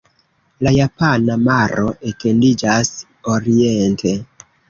La Japana Maro etendiĝas oriente.